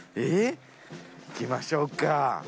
行きましょうか。